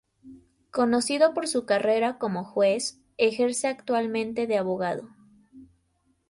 Conocido por su carrera como juez, ejerce actualmente de abogado.